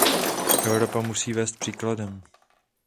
Evropa musí vést příkladem.